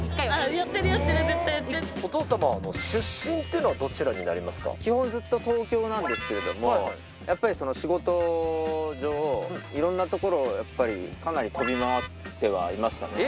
やってる、やってる、絶対やお父様は出身はどちらになり基本、ずっと東京なんですけども、やっぱり仕事上、いろんな所をやっぱりかなり飛び回ってはいましたね。